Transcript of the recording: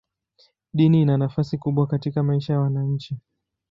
Dini ina nafasi kubwa katika maisha ya wananchi.